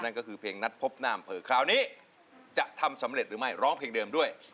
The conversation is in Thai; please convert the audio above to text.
นั่นก็คือเพลงนัดพบนามเผลอคราวนี้จะทำสำเร็จหรือไม่ร้องเพลงเดิมด้วย